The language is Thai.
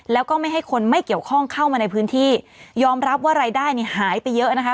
แล้วก็ไม่ให้คนไม่เกี่ยวข้องเข้ามาในพื้นที่ยอมรับว่ารายได้เนี่ยหายไปเยอะนะคะ